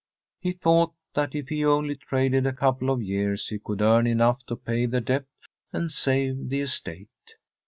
He thought that if he only traded a couple of years he could earn enough to pay the debt and save the estate.